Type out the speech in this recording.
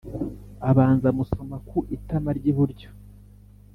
abanza amusoma ku itama ry’iburyo